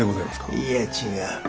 いや違う。